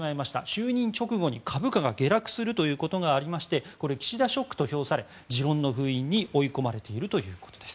就任直後に株価が下落するということがありましてこれ、岸田ショックと評され持論の封印に追い込まれているということです。